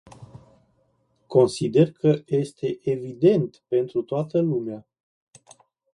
Consider că este evident pentru toată lumea.